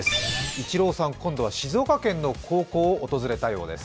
イチローさん、今度は静岡県の高校を訪れたようです。